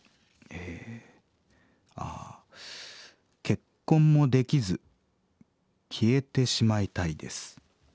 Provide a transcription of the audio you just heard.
「結婚もできず消えてしまいたいです。